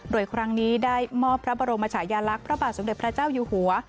โดยครั้งนี้ได้มอบพระบรมชายาลักษณ์พระบาทสมเด็จพระเจ้าอยู่หัว